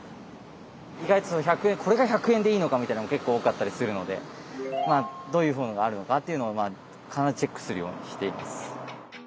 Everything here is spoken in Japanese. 意外とこれが１００円でいいのかみたいなのも結構多かったりするのでどういう本があるのかというのは必ずチェックするようにしています。